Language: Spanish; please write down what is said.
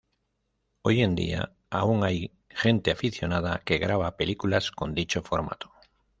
Hoy en día, aún hay gente aficionada que grava películas con dicho formato.